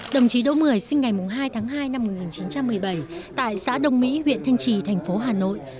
đồng chí đỗ mười sinh ngày hai tháng hai năm một nghìn chín trăm một mươi bảy tại xã đồng mỹ huyện thanh trì thành phố hà nội